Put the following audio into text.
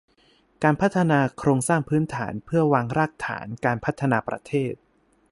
การพัฒนาโครงสร้างพื้นฐานเพื่อวางรากฐานการพัฒนาประเทศ